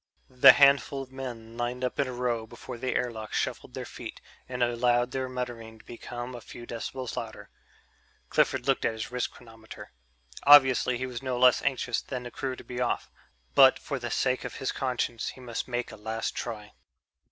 The handful of men lined up in a row before the airlock shuffled their feet and allowed their muttering to become a few decibels louder. Clifford looked at his wrist chronometer. Obviously he was no less anxious than the crew to be off, but, for the sake of his conscience, he must make a last try.